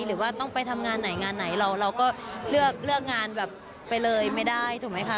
หรือว่าต้องไปทำงานไหนเราก็เลือกงานไปเลยไม่ได้ถูกไหมคะ